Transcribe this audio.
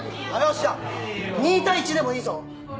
じゃ２対１でもいいぞ。